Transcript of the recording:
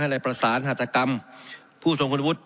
ให้ในประสานหัตถกรรมผู้สุงฆนวุฒิ